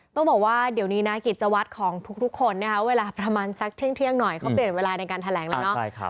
ต้องบอกว่าเดี๋ยวนี้นะกิจวัตรของทุกคนนะคะเวลาประมาณสักเที่ยงหน่อยเขาเปลี่ยนเวลาในการแถลงแล้วเนาะ